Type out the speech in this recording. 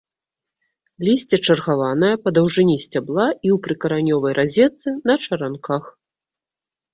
Лісце чаргаванае па даўжыні сцябла і ў прыкаранёвай разетцы, на чаранках.